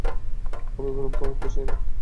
আমি অভিনয় করতে চাইনা, চল।